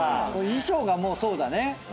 衣装がもうそうだね。